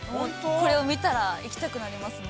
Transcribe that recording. ◆これを見たら、行きたくなりますね。